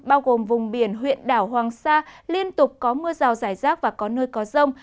bao gồm vùng biển huyện đảo hoàng sa liên tục có mưa rào rải rác và có nơi có rông